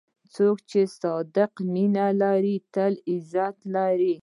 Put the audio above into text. څوک چې صادق مینه لري، تل عزت لري.